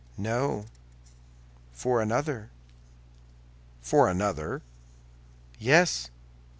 "No; for another." "For another?" "Yes."